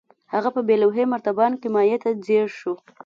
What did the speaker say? هغه په بې لوحې مرتبان کې مايع ته ځير شو.